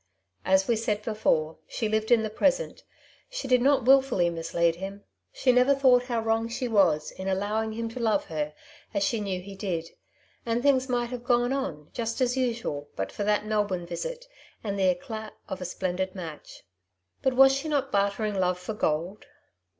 As we said before, she lived in the present ; she did not wilfully mislead him, she never thought how wrong she was in allowing him to love her, as she knew he did j and things might have gone on just as usual but for that Melbourne visit, and the eclat of a splendid match. But was she not bartering love for gold